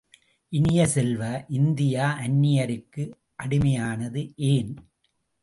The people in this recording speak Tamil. இனிய செல்வ, இந்தியா அந்நியருக்கு அடிமையானது ஏன்?